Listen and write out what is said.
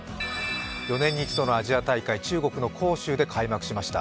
４年に１度のアジア大会、中国の杭州で開幕しました。